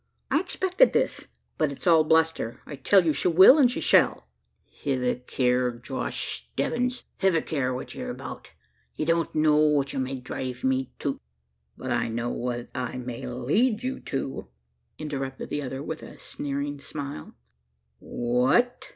I expected this; but it's all bluster. I tell you she will, and she shall!" "Hev a care, Josh Stebbins! Hev a care what yur about! Ye don't know what you may drive me to " "But I know what I may lead you to," interrupted the other with a sneering smile. "What?"